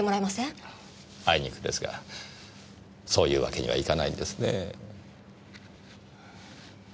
あいにくですがそういうわけにはいかないんですねぇ。